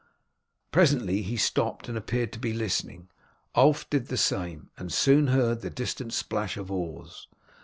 Presently he stopped and appeared to be listening; Ulf did the same, and soon heard the distant splash of oars.